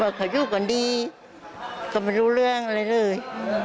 เขาอยู่กันดีก็ไม่รู้เรื่องอะไรเลย